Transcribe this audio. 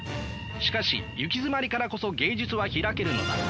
しかしゆきづまりからこそ芸術は開けるのだ。